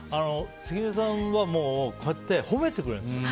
関根さんはこうやって褒めてくれるんですよ。